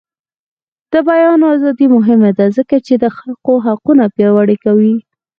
د بیان ازادي مهمه ده ځکه چې د خلکو حقونه پیاوړي کوي.